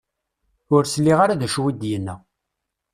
Ur sliɣ ara d acu i d-yenna.